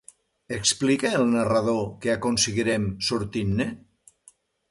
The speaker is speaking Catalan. Explica el narrador que aconseguiren sortir-ne?